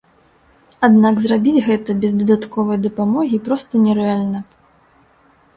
Аднак зрабіць гэта без дадатковай дапамогі проста нерэальна.